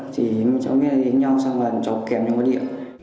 chỉ cháu nghe đến nhau xong rồi cháu kèm nhau vào địa